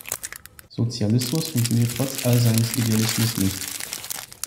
Sozialismus funktioniert trotz all seines Idealismus nicht.